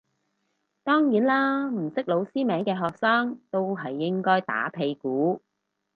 當然啦唔識老師名嘅學生都係應該打屁股